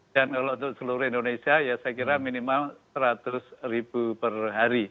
dan kalau untuk seluruh indonesia ya saya kira minimal seratus ribu per hari